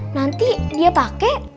nanti dia pake